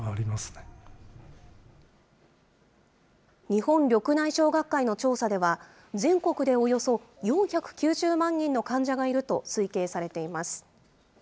日本緑内障学会の調査では、全国でおよそ４９０万人の患者がいると推計されています。